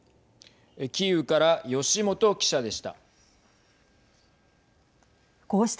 キーウから吉元記者でした。